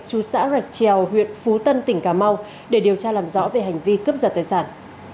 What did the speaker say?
chú xã rạch trèo huyện phú tân tỉnh cà mau để điều tra làm rõ về hành vi cướp giật tài sản